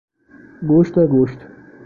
Gosto é gosto.